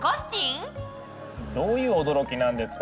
どういう驚きなんですか？